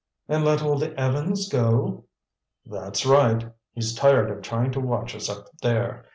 "And let Old Evans go?" "That's right. He's tired of trying to watch us up there.